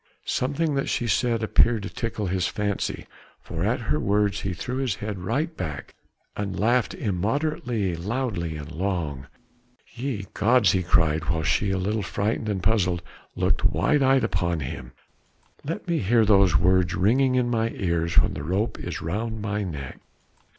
Something that she said appeared to tickle his fancy, for at her words he threw his head right back and laughed immoderately, loudly and long. "Ye gods!" he cried, while she a little frightened and puzzled looked wide eyed upon him "let me hear those words ringing in mine ears when the rope is round my neck.